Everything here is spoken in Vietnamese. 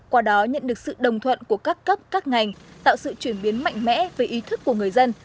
qua đó nhận được sự đồng thuận của các cấp các ngành tạo sự chuyển biến mạnh mẽ về ý thức của người dân